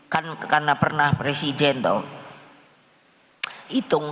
karena pernah presiden tau